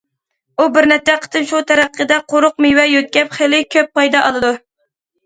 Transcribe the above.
ئۇ بىر نەچچە قېتىم شۇ تەرىقىدە قۇرۇق مېۋە يۆتكەپ، خېلى كۆپ پايدا ئالىدۇ.